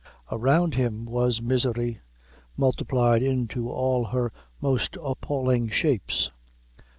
Around him was misery, multiplied into all her most appalling shapes.